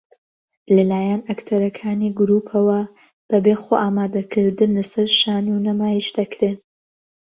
لە لایەن ئەکتەرەکانی گرووپەوە بەبێ خۆئامادەکردن لەسەر شانۆ نمایش دەکرێن